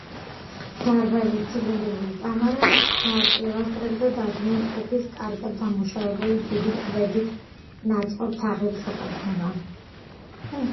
დარბაზის ცილინდრული კამარა პილასტრებზე დადგმულ, ტუფის კარგად დამუშავებული დიდი ქვებით ნაწყობ თაღებს ეყრდნობა.